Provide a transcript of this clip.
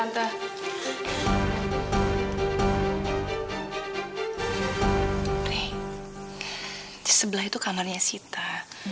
di sebelah itu kamarnya sita